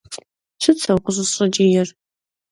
Сыт сэ укъыщӏысщӏэкӏиер?